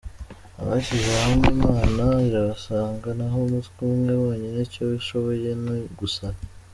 Abashyize hamwe Imana irabasanga, naho umutwe umwe wonyine icyo ushoboye ni ugusara.